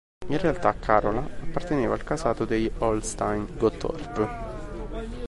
In realtà Carola apparteneva al casato degli Holstein-Gottorp.